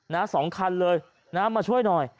สองคันเลยนะมาช่วยหน่อย